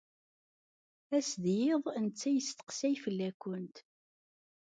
Ass d yiḍ d netta isteqsay fell-akent.